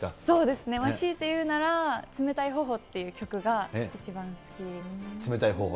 そうですね、しいて言うなら、冷たい頬っていう曲が一番好き。